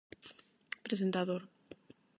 Presentador.